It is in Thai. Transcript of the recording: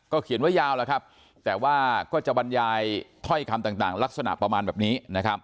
เขียนไว้ยาวแล้วครับแต่ว่าก็จะบรรยายถ้อยคำต่างลักษณะประมาณแบบนี้นะครับ